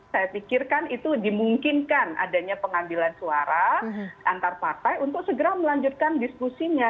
saya pikirkan itu dimungkinkan adanya pengambilan suara antar partai untuk segera melanjutkan diskusinya